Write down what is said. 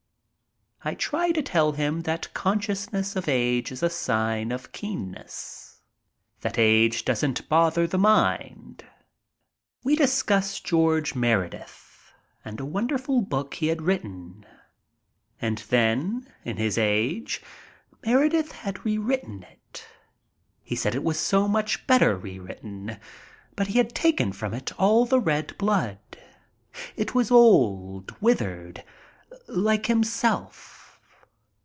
I try to tell him that consciousness of age is a sign of keen ness. That age doesn't bother the mind. We discuss George Meredith and a wonderful book he had written. And then in his age Meredith had rewritten it. He said it was so much better rewritten, but he had taken from it all the red blood. It was old, withered like himself.